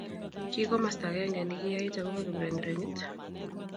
Ki komosta agenge negiyait agoba kiprengrengit